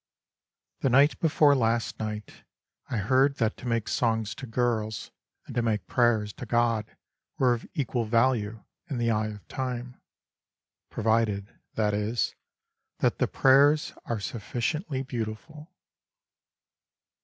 THE night before last night I heard that to make songs to girls And to make prayers to God Were of equal value In the eye of time ; Provided, that is, That the prayers Are sufficiently beautiful.